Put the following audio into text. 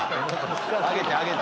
上げて上げて。